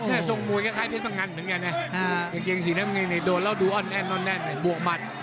นั่นส่งมวยคล้ายเพศบังกันถึงเนี่ยในเกียงสีน้ำเงียงในโดดแล้วดูอ่อนแน่นบวกมัด